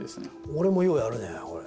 俺もようやるねこれ。